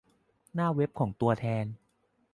หน้าเว็บของตัวแทน